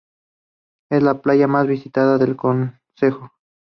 Es la playa más visitada del concejo.